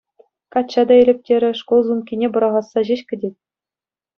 Качча та илӗп терӗ, шкул сумкине пӑрахасса ҫеҫ кӗтет.